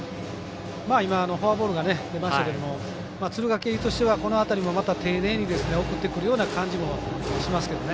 今、フォアボールが出ましたけど敦賀気比としてはこの辺りも丁寧に送ってくるような感じもしますけどね。